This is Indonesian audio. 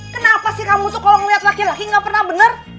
kenapa sih kamu tuh kalau ngeliat laki laki gak pernah bener